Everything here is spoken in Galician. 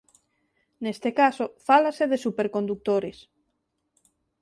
Neste caso fálase de supercondutores.